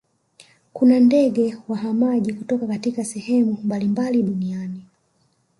kuna ndege wahamaji kutoka katika sehemu mbalimbali duniani